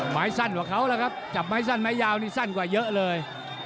ไม้สั้นกว่าเขาแล้วครับจับไม้สั้นไม้ยาวนี่สั้นกว่าเยอะเลย